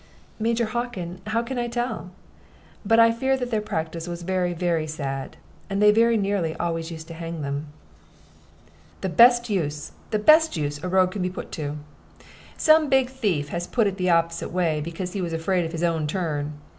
"Major Hockin, how can I tell? But I fear that their practice was very, very sad they very nearly always used to hang them." "The best use the best use a rogue can be put to. Some big thief has put it the opposite way, because he was afraid of his own turn.